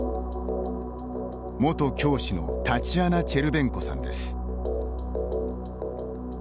元教師のタチアナ・チェルベンコさんです。